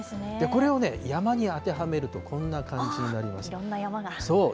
これを山に当てはめるとこんな感じになります。